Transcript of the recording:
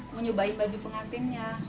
menyubahi baju pengantinnya